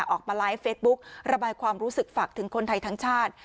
ออกมาไลฟ์เฟซบุ๊กระบายความรู้สึกฝากถึงคนไทยทั้งชาติ